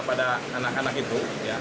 pada anak anak itu